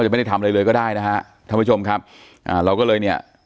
ไม่ได้ทำอะไรเลยก็ได้นะฮะท่านผู้ชมครับอ่าเราก็เลยเนี่ย